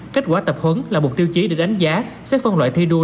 kết quả tập huấn là mục tiêu chí để đánh giá xét phân loại thi đua